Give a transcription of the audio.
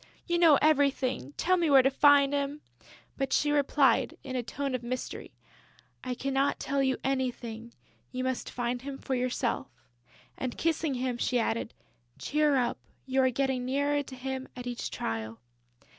You know everything: tell me where to find him!" But she replied, in a tone of mystery: "I cannot tell you anything. You must find him for yourself." And, kissing him, she added, "Cheer up; you are getting nearer to him at each trial."